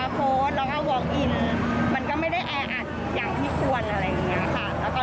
แล้วก็รองรับผู้คนได้เยอะอะไรอย่างนี้ค่ะ